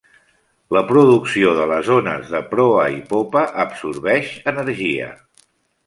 La producció de les ones de proa i popa absorbeix energia.